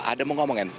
ada yang mengomongin